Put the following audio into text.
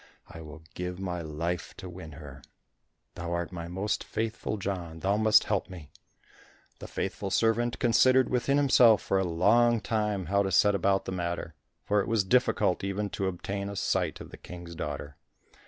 I will give my life to win her. Thou art my most Faithful John, thou must help me." The faithful servant considered within himself for a long time how to set about the matter, for it was difficult even to obtain a sight of the King's daughter.